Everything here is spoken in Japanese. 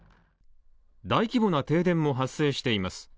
大規模な停電も発生しています。